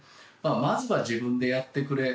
まずは自分でやってくれ。